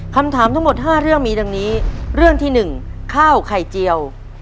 คำถามทั้งหมด๕เรื่องมีดังนี้เรื่องที่๑ข้าวไข่เจียว